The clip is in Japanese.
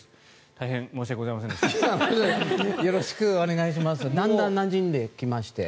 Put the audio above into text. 大変申し訳ございませんでした。